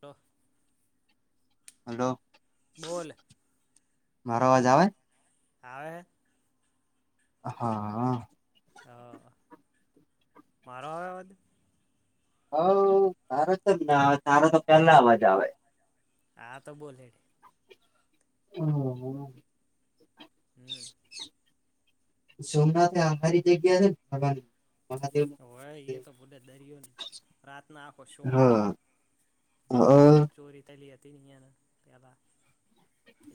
તો હલો. બોલ. મારો અવાજ આવે. આવે હે. હા. હ મારો આવે અવા [unintelligible] હવ તારો તો જ ના આવે તારો તો પેલા અવાજ આવે. હા તો બોલ. હમ્મ હમ્મ. હમ્મ. સોમનાથે આ [unintelligible] હોવે એ તો ભૂડા દરિયો રાતનો આખો શો હોય હા છે. અ જે જે રીતે ચોરી થએલી હ [unintelligible] ક્યાબા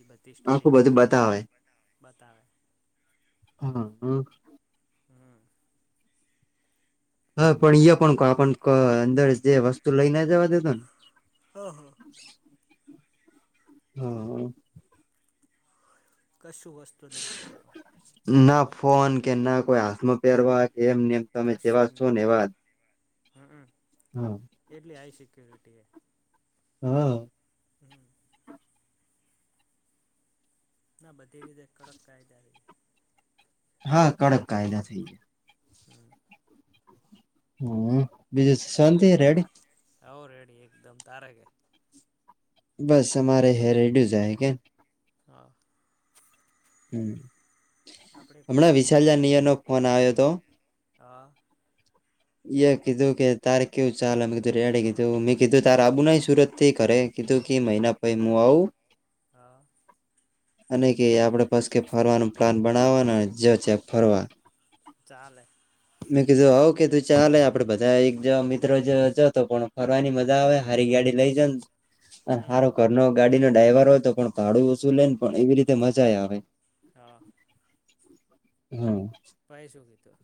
બધી આખું સ્ટોરી કે બધું હે એમાં. બતાવે બતાવે. હા હ. હમ હા પણ ઈ પણ આપ અંદર જે વસ્તુ લઈને જવા દેતો ન હ હ. હ અ. કશું વસ્તુ નઈ લઈ જાવા ના ફોન કે ના કોઈ હાથમાં પહેરવા કે એમને એમ તમે જેવા કશું જ છો ને નહીં એવા જ. હમ એટલી આઈ સિક્યોરિટી હે. હ અ. હમ ના બધી રીતે કડક કાયદા હે. હા કડક કાયદા થઈ ગયા. હમ હમ્મ બીજું સુ શાંતિ હે રેડી. હવ રેડી એકદમ તારે કે. બસ અમારે હે રેડયો જાય કેન. હા. આપણે એક હમ્મ મિત્ર હમણાં વિશાલયા વડોદરા નિયર નો ફોન આયો તો હા. એ કીધું કે તારે કેવું ચાલે મે કીધું રેડે કીધું મેં કીધું તારે આબુ નઈ સુરત થી ઘરે કીધું કે મહિના પહેલાં મે આવું. હા. અને કે આપણેે બસ કે ફરવાનું પ્લાન બનાવવાનું જ છે ફરવા. ચાલે. મેં કીધું હ કે તું ચાલે. આપડે બધા એક જવા મિત્રો જ તો કો ફરવાની મજા આવે હારી ગાડી રિલેજન હમ હારુ, ઘરનો ગાડીનો ડ્રાઈવર હોય, તો પણ ભાડું ઓછું લે ને પણ એવી રીતે મજા આવે. હા. હમ. પહી શું કીધું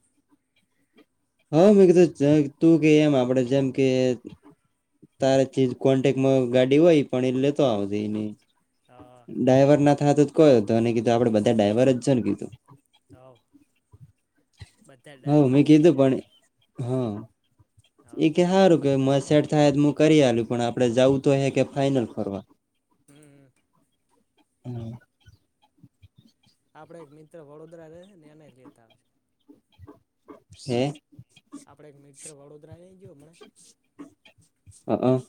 હા, મેં કીધ તું કે એમ આપડે જેમ કે તારા જે કોન્ટેક્ટમાં ગાડી હોય પણ એ લેતો આવજે નહી. હા ડાઈવરના થ તો જ કોઈ હતો કીધું આપડે બધા ડાઈવર જ છે ને કીધું. હ, બધા હવ ડ્રાઈવર મેં જ છે. કીધું પણ હા હા એ કે હારું કે એમા સેટ થાય. કરી આલ્યું પણ આપડે જવું તો હે કે ફાાઈનલ ફરવા. હમ હમ. આપડે એક મિત્ર વડોદરા રહે છે ને એને લેતા આવજો. [unintelligible] આપડે એક મિત્ર વડોદરા લઈ ગયો હમણા હ હ.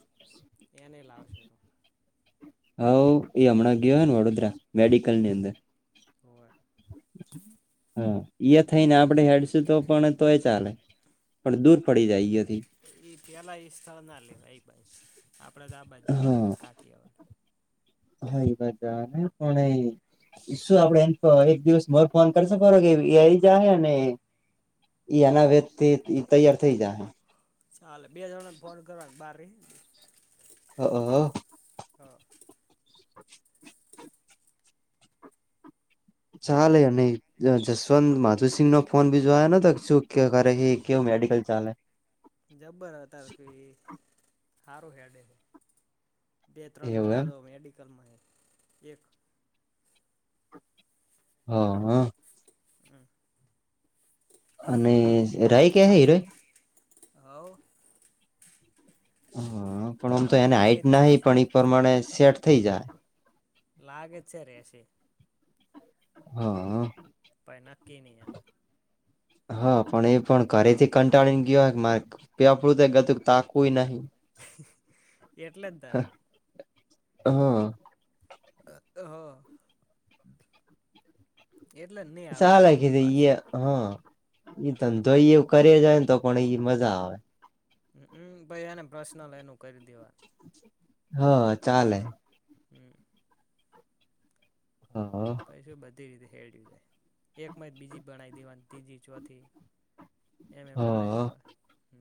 એ નહી લાવશે. હા, એ હમણાં ગયો હો ને વડોદરા મેડિકલની હમ અંદર. હોવે હા, થઈને આપડે હેડસ તો પણ તોય ચાલે. પણ દૂર પડી જાય. એ પેલા એ સ્થળના લેવા એ ભાઈ આપડે તો આ બાજ જવાનું છે કાઠિયાવાડ. હ એ બાજ ને કોણ એ શું આપડે એમ તો એક દિવસ ફોન કરશે બરો કે એ આઈજજા હ ને ઈ અનાવેતથી તૈયાર થઇ જાહે. ચાલે, બે જણને ફોન કરવા બાર હ હ. હ ચાલે અને જસવંત માધુસિંહનો ફોન બી જોયા ન તો શું કરે એ કેવું મેડિકલ ચાલે. જબ્બર હતા. કે હારું હેડે. બે ત્રણ એવું જણા એમ દો મેડિકલમાં એ એક હા હા. હમ અને રઈ ક્યા છે હીરોય. હવ. હ, પણ આમ તો એને લાગે હાઈટ જ નાહહી પણ એઈ પ્રમાણે સેટ થઈ જાય. લાગે છે રહશે. હા. ભાઈ નકકી નહી એનું. હ [unintelligible] હા, પણ એ પણ ઘરેથી કંટાળીને ગયોય મારે પેપડું તો ગતું તાકવું નહી. એટલે જ તારે હા. હા. સા લખી દઈએ. હા, હમ ધંધો કરીએ જાય ને તો પણ એ મજા આવે. હમ્મ ભાઈ એને પ્રશ્ન લે એનું કરી દેવાનું. હા, ચાલે. હમ હા. રી હે જાય એકમાં બીજી ભનાવી દેવાની ત્રીજી ચોથી એમ એ બણાય હ દેવા હ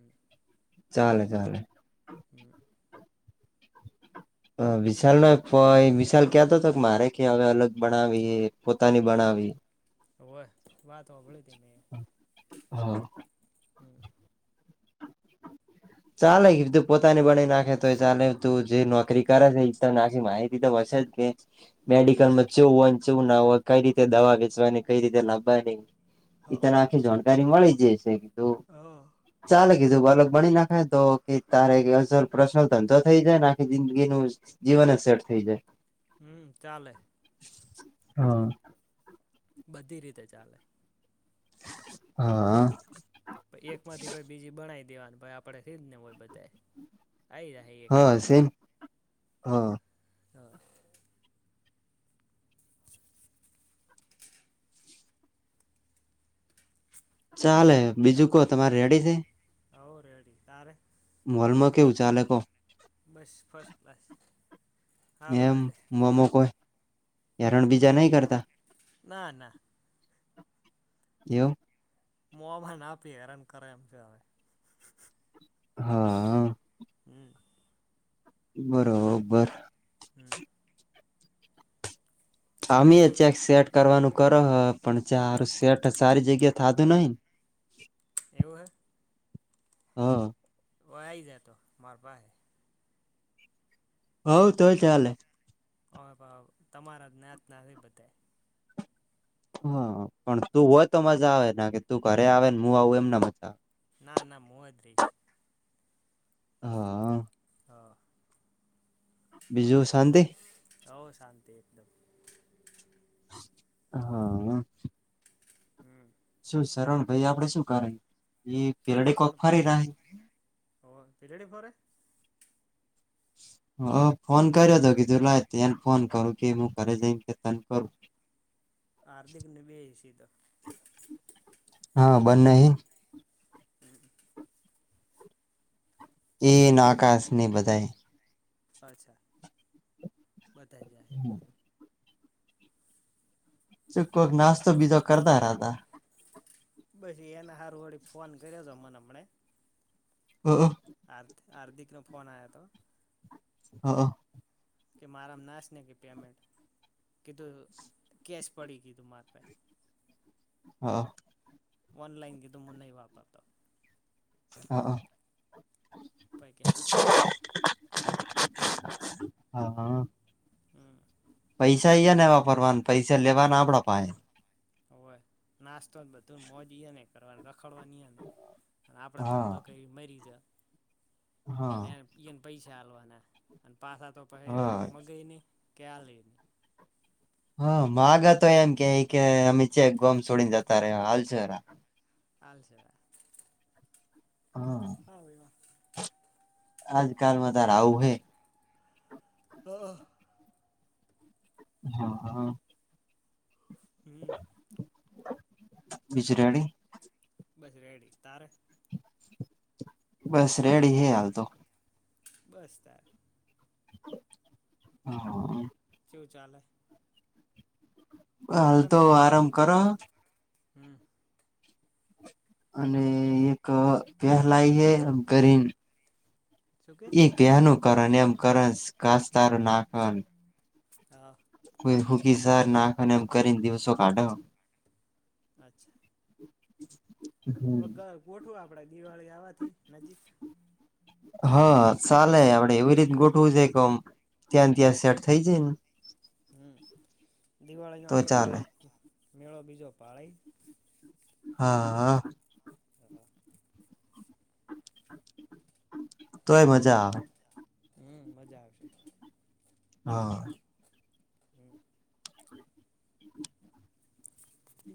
ચાલે ચાલે વિશાલ નો વિશાલ ક્યાતો હતો કે મારે કે હવે અલગ બનાવી પોતાની બનાવી વાત હોભળી તને હા ચાલેધું પોતાની બના નાખે તો એ ચાલે તું જે નોકરી કરે છે એ તમ નાખી માહિતી તો હશે જ કે હમ મેડિકલ માં કેવું હોય ને કેવું ના હોય કઈ રીતે દવા વેચવાની કઈ રીતે નાભવા હ એ તને આખી જાણકારી મળી જશેધું હ ચાલે કીધું અલક બની નાખ કાય તો કે તારે અસ પ્રશનલ ધંધો થઈ જાયને આખી જિંદગી ન જીવન જ સેટ થઈ જાય હમ તાલે હા- બધી રીતે ચાલે. હા. દેવાનું ભ આપડે થઈ જ ને હોય બધા આવી જ્યા એક હા એક સેમ હા હા- ચાલે બીજું ક તમારે રેડી છે. હવ રેડી તારે મોલમાં કેવું ચાલે કો બસ ફર્સ્ટ ક્લાસ સારું એમ હેડે મમો કો હયરણ બીજા નહી કરતા ના ના એવું મુવામાં ના આપી હેરાન કરે એમ છે હવે હા હમ બરોબર- હમ આમી એ બીજું કે ચેક સેટ કરવાનું કરો પણ ચારું શેઠ સારી જગ્યા થાધું નહી એવું હૈ હા. હો આ જ તો મારપ હૈ હઉ તો ચાલે હ તમારા જ્ઞાત ના હ બધ હા પણ તું હોય તો મજા આવે ના કે તું ઘરે આવે ને હું આવું એમ ના મજા આવે ના ના મોહદ રહીશ હા બીજું શાંતિ હ શાંતિ એકદમ હા હમ- શું સરરણ ભાઈ આપણે શું કરાય સણ ભાઈ હો તરેડી ફરે હ ફોન કર્યો તો કીધું લ ત્યા ફોન કરું કે હું ઘરે જઈને કે તન કરું હાર્દિકને ભેજશ તો હા બન્ને હે એ ના આકાશ ને બધાયે અચ્છા બતા જ કોઈક નાસ્તો બીજો કરતા રહતા. બસ ઈ એના સારું વળી ફોન કર્યો તો મન અમણે. [unintelligible] આર્થ હાર્દિકનો ફોન આયા તો. હઅ. કે મારામ નાશને કે પેમેન્ટ. કીધું કેસ પડી કીધું માર પાહે. હા. ઓનલાઇન કીધું મુ નઈ વાપરતો હઅ. પહી કે હારુ. હા હા. હમ પૈસા ઈયન વાપરવાન પૈસા લેવાના આપડા પાહે. હોવે. નાસ્તો ન બધું મોજ ઈઓને કરવાન. રખડવાની અને અન આપડે હા ધંધો કરીન મરી જા હા અને એન પીએ ન પૈસા આલવાના અને તો પાસા તો પહી હા મગાઈ નઈ. ક્યા લઈન. હા માગા તો એમ કેય કી અમે ચોય ગોમ છોડીન જતા રયા હાલ શોરા. [inaudible] હા [inaudible] આજકાલમાં તાર આઉ હે. ઓહ. હા હા. હમ્મ. બીજ રેડી? બસ રેડી. તારે? બસ રેડી હે હાલ તો. બસ તાર. હા. કેવું ચાલે? હાલ આનંદ તો મંગળ આરામ કરહ. હમ અને એક પહેલાય હે ગરીન. શું કે એક કયાનું કારણ એમ કરસ ઘાસતાર નાખન. હા. હુંકી સાર નાખન એમ કરીન દિવસો કાઢહ. અચ્છા. [inaudible] હવે ગર ગોઠવું આપડે દિવાળી આવાથી નજીક. હા, સાલે આપડે એવી રીત ગોઠવું છે ક અમ ત્યાં ત્યાં સેટ થઈ જાય ન હમ્મ દિવાળીના તો આપડે ચાલે ઓય. મેળો બીજો પાળી. હા હા. [inaudible] તોય મજા આવે. હમ્મ મજા આવશે. હા. હમ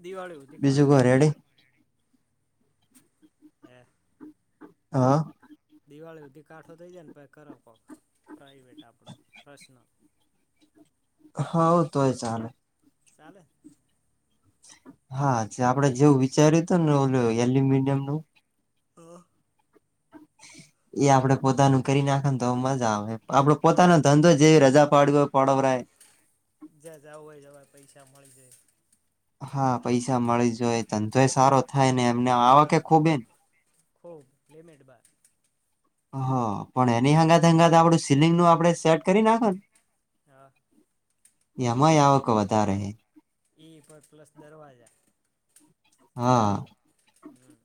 દિવાળી હુધી બીજું કાઠો કો થઇ જાય. રેડી એ. હા. દિવાળી હુધી કાઠો થઈ જાયન પહી કર કોક પ્રાઈવેટ આપડો પ્રશનલ. હાવ તોય ચાલે. ચાલે હા જે આપડે જેવું વિચાર્યું હત ને ઓ એલ્યમિડિયમ નું હા [inaudible] એ આપડે પોતાનું કરી નાખે ને તો મજા આવે આપડો પોતાનો ધંધો જેવી રજા પાડ્યો હોય પડવરાય હ [unintelligible] જ્યાં જવ હોય જવાય પૈસા મળી જાય. હા પૈસા મળી જોય ધંધોય સારો કોઈ થાય ને એમને આવ કે સારો ખૂબ એન થાય ખૂબ લેમેટ બાર હા પણ એની હંગાત હંગાત આપડું સીલિંગનું આપડે સેટ કરી નાખો હા યમાયાવકો વધાારે ઈ પર પ્લસ દરવાજા હા હમ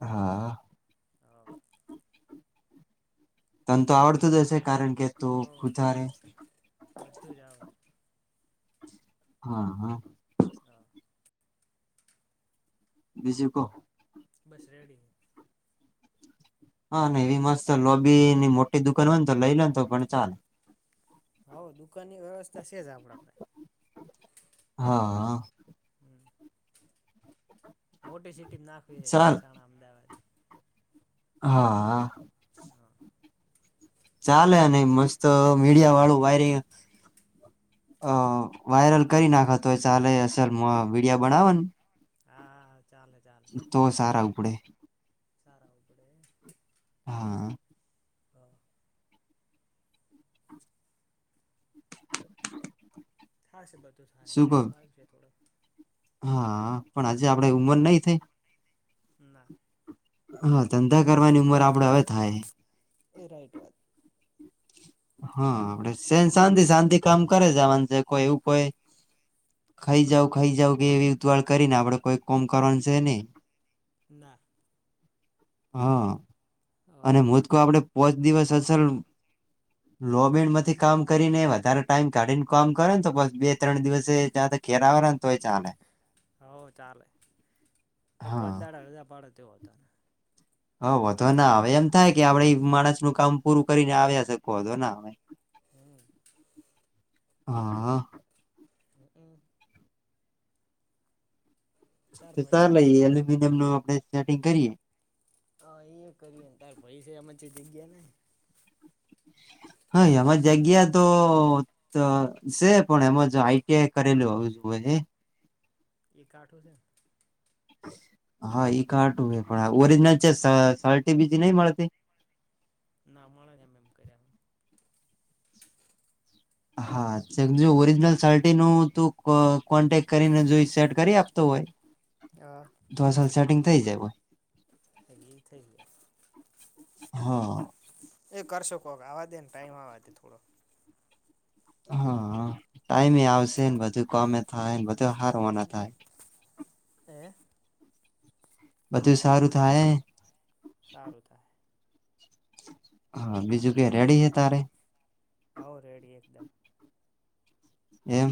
હા હા તને તો આવડતું જ હશે કારણ કે તું હવ ખુધારે બધું જ આવડે હા હા હા બીજું કહો. બસ રેડી હા ને એવી મસ્ત લોબીની મોટી દુકાન હોયને તો લઈ લેને તો પણ ચાલે હ દુકાનની વ્યવસ્થા છે જ આપણા આપે હા હમ મોટી સિટી નાખવી છે ચાલ મહેસાણા, અમદાવાદ હા હા ચાલે ન મસ્ત મીડિયા વાળું વાયરિંગ અ વાયરલ કરી નાખો તોય ચાલે અસલ વિડીયો બનાવો ને હા ચાલે ચાલે તો સારા ઉપડે [inaudible] હા હ [unintelligible] થા છે બધું થાહે શું કહ ટાઈમ લાગશે થોડો હા પણ આજે આપડે ઉંમર નઈ થઈ ના હા ધંધા કરવાની ઉંમર આપડે હવે થાય એ રાઈટ વાત હા આપડે સેન શાંતિ શાંતિ કામ કરે જવાનું છે કોઈ એવું કોઈ ખાઈ જાવ ખાઈ જાવ કે એવી ઉતવાળ કરીને આપણે કોઈ કોમ કરવાનું સેની. ના [unintelligible] હા અને મોદકો આપડે પોચ દિવસ અસલ લોબીણમાંથી કામ કરીને વધારે ટાઈમ કાઢીને કામ કરેને તો બસ બે ત્રણ દિવસે ચા કેરાવરં તોય ચાલે હવ ચાલે ત પોત હા દાડા રજા પાડે તેવો હતો ને હહ વોધો ના આવે એમ થાય કે આપણે ઈ માણસનું કામ પૂરું કરીને આવ્યા સીએ કો વોધો ના આવે. હમ હા હમ તાર તો ભાઈ છે ચાલો એલ્યુમિનિયમ નો કંઈક સેટિંગ કરીએ હા એ કરીને તાર પૈ છે આમાંછ જઈ ગયા ને [inaudible] હા એમાં જગ્યા તો ત છે પણ એમાં જ આઈ ટી આઈ કરેલું હોવું જોયે એ એ કાઠું છે. [inaudible] હા ઈ કારટું હે પણ ઓરિજનલ છે સર્ટી બીજી નહી મળતી. ના મળે એમનેમ એમ કર્યા. હા છે જો ઓરિજનલ સર્ટી નું તું અ કોન્ટેક કરીને જોઈ સેટ કરી આપતો. હોય હા તો સેટિંગ થઈ જાય. થય થઈયા. હા એ કરશો કો આવા દેન ટાઈમ આવા દે થોડો. હા ટાઈમે એ આવશે બધું કોમે થાય ને બધું હારવા ના થાય. હે બધું સારું થાય હે. સારું થાય. હા બીજું કે રેડી એ તારે. હો રેડી એકદમ એમ.